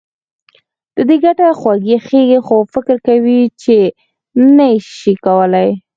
که دې ګټه خوښېږي خو فکر کوې چې نه يې شې کولای.